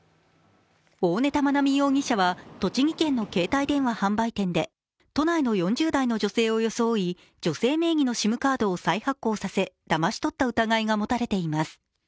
大根田愛美容疑者は栃木県の携帯電話販売店で都内の４０代の女性を装い女性名義のＳＩＭカードを再発行させだまし取った疑いが持たれています。